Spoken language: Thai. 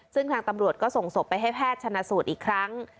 ซึ่งทางตำรวจก็ส่งศพไปให้แพทย์ชนะสูตรอีกครั้ง